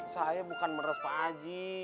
saya bukan meres pak aji